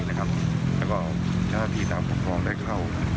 แล้วก็ทัศนาที่ตามกระทองได้เข้า